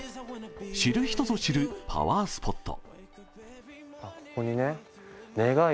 知る人ぞ知るパワースポット。